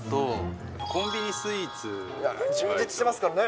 充実してますからね。